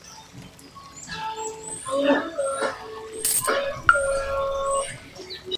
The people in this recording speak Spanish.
Otros prohombres habituales fueron el banquero Manuel Girona o el general Huerta.